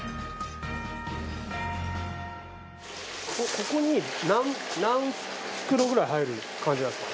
ここに何袋くらい入る感じなんですか？